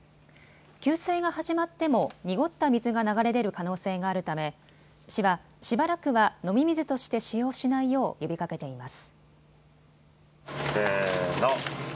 給水が始まっても濁った水が流れ出る可能性があるため市は、しばらくは飲み水として使用しないよう呼びかけています。